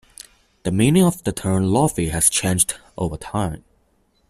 The meaning of the term "lo-fi" has changed over time.